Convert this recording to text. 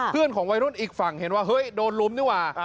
เพื่อนของวัยรุ่นอีกฝั่งเห็นว่าเฮ้ยโดนลุมนี่ว่ะ